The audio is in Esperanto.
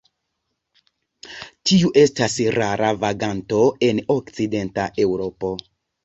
Tiu estas rara vaganto en okcidenta Eŭropo.